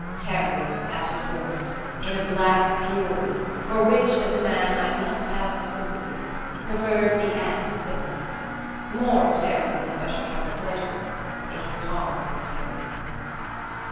Terry, at his worst, in a black fury for which, as a man, I must have some sympathy, preferred the ant simile. More of Terry and his special troubles later. It was hard on Terry.